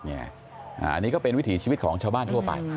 อันนี้ก็เป็นวิถีชีวิตของชาวบ้านทั่วไป